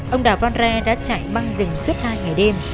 ông đào văn re đã chạy băng rừng suốt hai ngày đêm